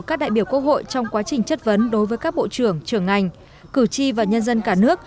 các đại biểu quốc hội trong quá trình chất vấn đối với các bộ trưởng trưởng ngành cử tri và nhân dân cả nước